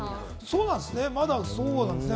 まだそうなんですね。